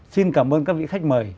xin cảm ơn các vị khách mời